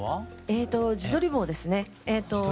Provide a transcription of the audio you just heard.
えと自撮り棒ですね。